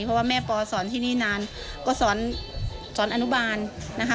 เพราะว่าแม่ปอสอนที่นี่นานก็สอนอนุบาลนะคะ